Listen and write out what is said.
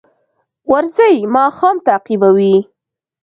ورځې ماښام تعقیبوي